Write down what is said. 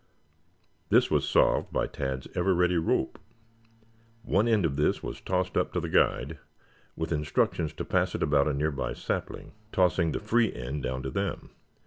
This was solved by Tad's ever ready rope. One end of this was tossed up to the guide with instructions to pass it about a nearby sapling, tossing the free end down to them.